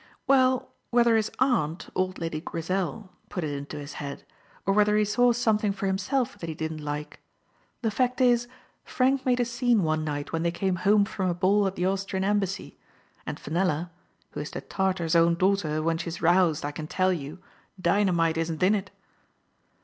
"Well, whether his aunt, old Lady Grizel, put it into his head, or whether he saw something for himself that he didn't like — the fact is, Frank made a scene one night when they came home from a ball at the Austrian Embassy, and Fenella — who is the Tartar's own daughter when she's roused, I can tell you, dynamite isn't in it